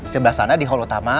sebelah sana di hall utama